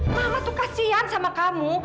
mama tuh kasian sama kamu